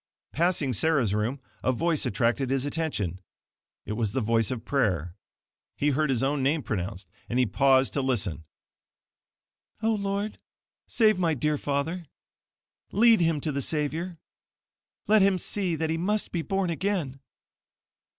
Passing Sarah's room, a voice attracted his attention. It was the voice of prayer. He heard his own name pronounced, and he paused to listen. "Oh, Lord, save my dear father. Lead him to the Savior. Let him see that he MUST BE BORN AGAIN.